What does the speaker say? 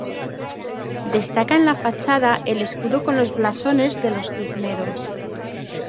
Destaca en la fachada el escudo con los blasones de los Cisneros.